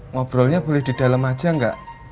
ngobrolnya boleh di dalam aja nggak